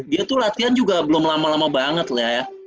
dia tuh latihan juga belum lama lama banget lah ya